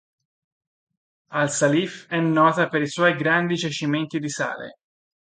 Al-Salif è nota per i suoi grandi giacimenti di sale.